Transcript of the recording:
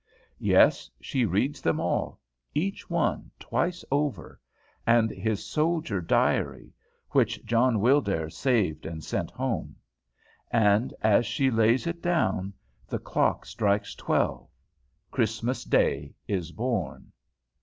Yes, she reads them all, each one twice over, and his soldier diary, which John Wildair saved and sent home, and, as she lays it down, the clock strikes twelve. Christmas day is born!